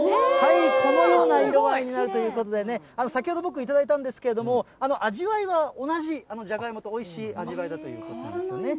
このような色合いになるということでね、先ほど僕、頂いたんですけれども、味わいは同じ、じゃがいもと、おいしい味わいだということなんですね。